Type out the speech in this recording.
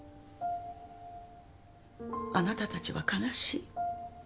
あなたたちは悲しい。